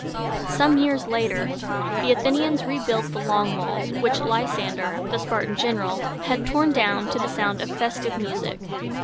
Some years later the Athenians rebuilt the Long Walls, which Ly san´der, the Spartan general, had torn down to the sound of festive music.